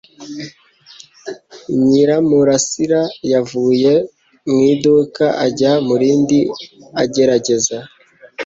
Nyiramurasira yavuye mu iduka ajya mu rindi agerageza